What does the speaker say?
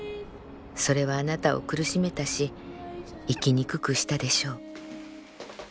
それはあなたを苦しめたし生きにくくしたでしょう。